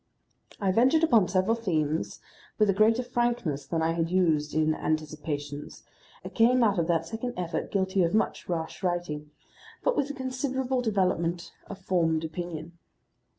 I ventured upon several themes with a greater frankness than I had used in Anticipations, and came out of that second effort guilty of much rash writing, but with a considerable development of formed opinion.